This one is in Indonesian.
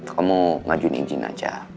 kamu ngajuin izin aja ke pak al